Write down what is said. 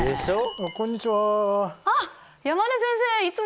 あっこんにちは。